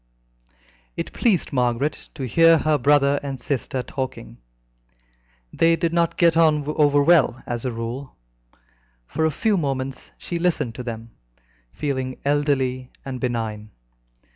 It pleased Margaret to hear her brother and sister talking. They did not get on overwell as a rule. For a few moments she listened to them, feeling elderly and benign.